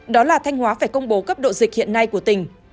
đó là thanh hóa phải công bố cấp độ dịch hiện nay của tỉnh